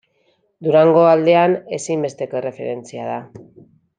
Durango aldean ezinbesteko erreferentzia da.